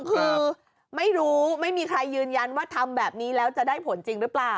คือไม่รู้ไม่มีใครยืนยันว่าทำแบบนี้แล้วจะได้ผลจริงหรือเปล่า